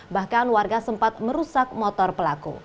bahkan warga sempat merusak motor pelaku